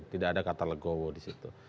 tidak ada kata legowo di situ